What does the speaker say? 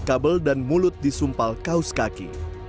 kabel dan mulut disumpal kaos kaki